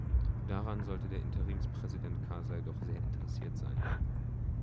Daran sollte der Interimspräsident Karzai doch sehr interessiert sein.